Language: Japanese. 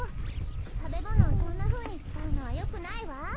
たべものをそんなふうにつかうのはよくないわ。